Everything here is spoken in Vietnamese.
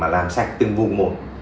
làm sạch từng vùng một